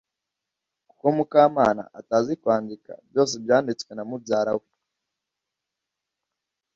kuko mukamana atazi kwandika byose byanditswe na mubyara we